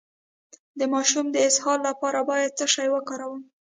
د ماشوم د اسهال لپاره باید څه شی وکاروم؟